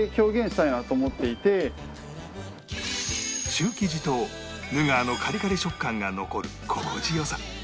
シュー生地とヌガーのカリカリ食感が残る心地良さ